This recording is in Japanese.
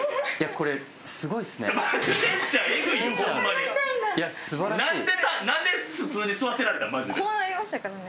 こうなりましたからね。